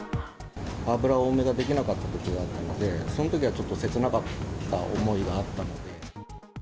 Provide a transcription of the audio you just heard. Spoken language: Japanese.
油多めができなかったときがあったので、そのときはちょっと切なかった思いがあったので。